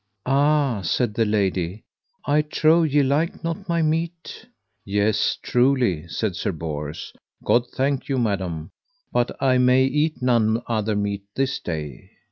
Ah, said the lady, I trow ye like not my meat. Yes, truly, said Sir Bors, God thank you, madam, but I may eat none other meat this day.